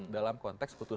dalam konteks putusannya